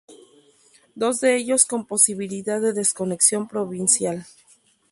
Dos de ellos con posibilidad de desconexión provincial.